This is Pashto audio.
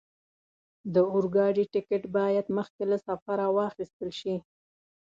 د اورګاډي ټکټ باید مخکې له سفره واخستل شي.